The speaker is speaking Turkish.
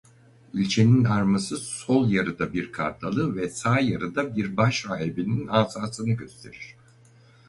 İlçenin arması sol yarıda bir kartalı ve sağ yarıda bir başrahibinin asasını gösterir.